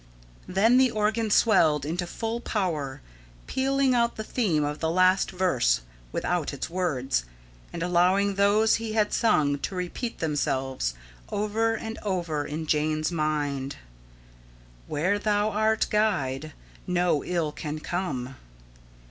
Then the organ swelled into full power, pealing out the theme of the last verse without its words, and allowing those he had sung to repeat themselves over and over in Jane's mind: "Where Thou art Guide, no ill can come."